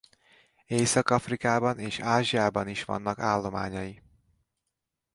Észak-Afrikában és Ázsiában is vannak állományai.